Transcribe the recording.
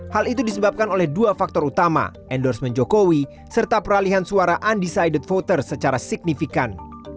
hal itu disebabkan oleh dua faktor utama endorsement jokowi serta peralihan suara undecided voters secara signifikan